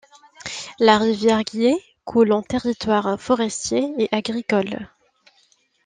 La rivière Guillet coule en territoire forestier et agricole.